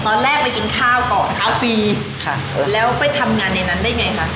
ตอนแรกไปกินข้าวก่อนข้าวฟรีค่ะแล้วไปทำงานในนั้นได้ไงคะ